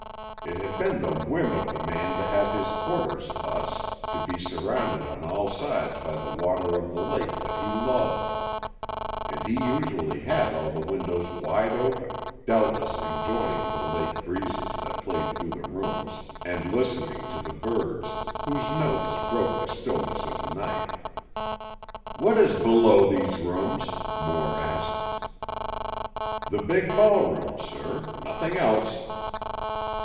It had been the whim of the man to have his quarters thus, to be surrounded on all sides by the water of the lake that he loved, and he usually had all the windows wide open, doubtless enjoying the lake breezes that played through the rooms, and listening to the birds, whose notes broke the stillness of the night. "What is below these rooms?" Moore asked. "The big ballroom, sir. Nothing else."